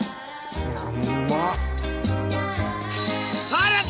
さらに！